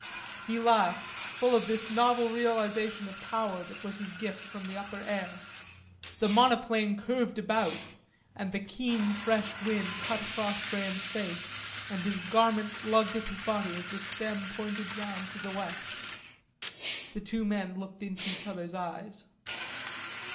He laughed, full of this novel realisation of power that was his gift from the upper air. The monoplane curved about, and the keen fresh wind cut across Graham's face and his garment lugged at his body as the stem pointed round to the west. The two men looked into each other's eyes.